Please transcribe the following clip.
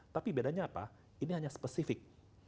tapi bedanya apa ini hanya spesifik